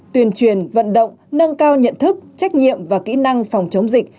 tuyên truyền vận động nâng cao nhận thức trách nhiệm và kỹ năng phòng chống dịch